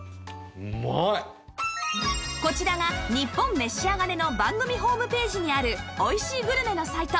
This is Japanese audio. こちらが『ニッポンめしあがれ』の番組ホームページにある「おいしいグルメ」のサイト